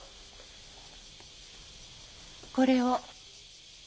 これを。